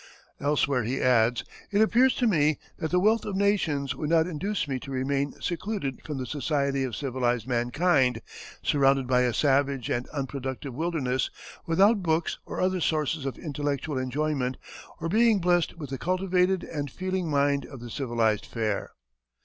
Elsewhere he adds: "It appears to me that the wealth of nations would not induce me to remain secluded from the society of civilized mankind, surrounded by a savage and unproductive wilderness, without books or other sources of intellectual enjoyment, or being blessed with the cultivated and feeling mind of the civilized fair."